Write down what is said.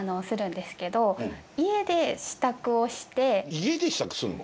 家で支度すんの？